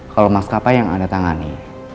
kalau maskapai yang anda tangani